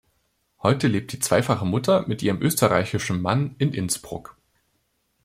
Heute lebt die zweifache Mutter mit ihrem österreichischen Mann in Innsbruck.